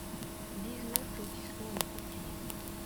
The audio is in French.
dix-neuf lotissement Les Peupliers